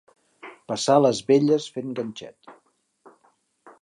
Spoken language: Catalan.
Passar les vetlles fent ganxet.